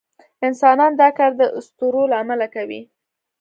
انسانان دا کار د اسطورو له امله کوي.